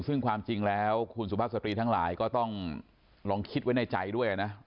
ซึ่งความจริงแล้วคุณสุภาพสตรีทั้งหลายก็ต้องลองคิดไว้ในใจด้วยนะ